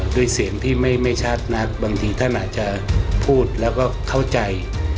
ด้วยเสียงที่ไม่ชัดนักบางทีท่านอาจจะพูดแล้วก็เข้าใจ